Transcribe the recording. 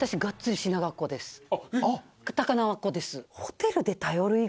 高輪っ子です。